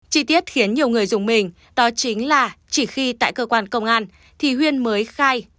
chi tiết khiến nhiều người dùng mình đó chính là chỉ khi tại cơ quan công an thì huyên mới khai